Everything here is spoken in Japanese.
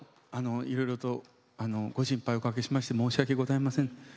いろいろとご心配をおかけしまして申し訳ございません。